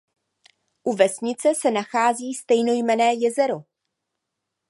U vesnice se nachází stejnojmenné jezero.